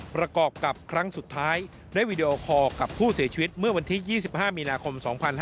ประกอบกับครั้งสุดท้ายได้วีดีโอคอร์กับผู้เสียชีวิตเมื่อวันที่๒๕มีนาคม๒๕๕๙